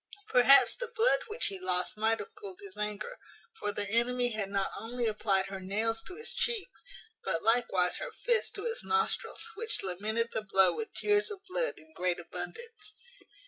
Perhaps the blood which he lost might have cooled his anger: for the enemy had not only applied her nails to his cheeks, but likewise her fist to his nostrils, which lamented the blow with tears of blood in great abundance.